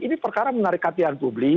ini perkara menarik hatian publik